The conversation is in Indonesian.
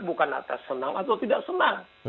bukan atas senang atau tidak senang